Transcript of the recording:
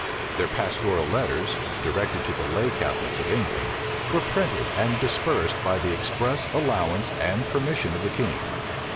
Their pastoral letters, directed to the lay Catholics of England, were printed and dispersed by the express allowance and permission of the king.